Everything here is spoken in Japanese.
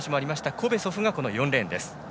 コベソフが４レーンです。